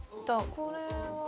これは。